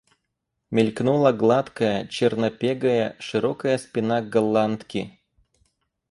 Мелькнула гладкая, чернопегая, широкая спина Голландки.